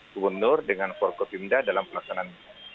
gubernur dengan forkopimda dalam pelaksanaan